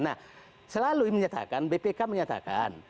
nah selalu menyatakan bpk menyatakan